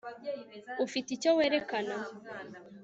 ufite icyo werekana